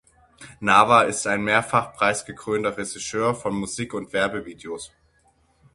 Nava ist ein mehrfach preisgekrönter Regisseur von Musik- und Werbevideos.